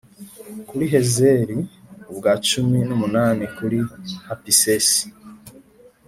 kuri Heziri ubwa cumi n umunani kuri Hapisesi